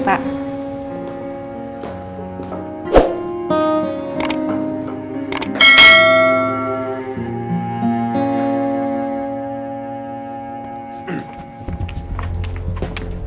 terima kasih pak